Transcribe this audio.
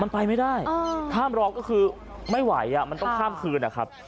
มันไปไม่ได้ข้ามรอก็คือไม่ไหวมันต้องข้ามคืนนะครับ